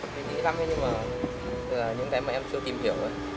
mình nghĩ lắm thế nhưng mà những cái mà em chưa tìm hiểu ấy